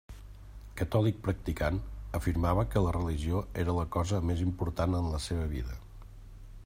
Catòlic practicant, afirmava que la religió era la cosa més important en la seva vida.